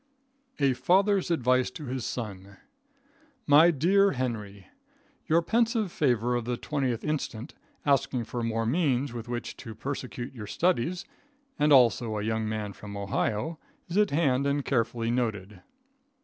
A Father's Advice to His Son. My dear Henry. Your pensive favor of the 20th inst., asking for more means with which to persecute your studies, and also a young man from Ohio, is at hand and carefully noted.